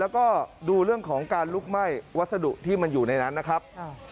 แล้วก็ดูเรื่องของการลุกไหม้วัสดุที่มันอยู่ในนั้นนะครับ